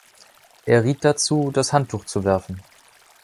Er riet dazu, das Handtuch zu werfen.